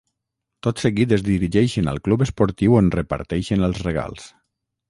Tot seguit es dirigeixen al Club esportiu on reparteixen els regals.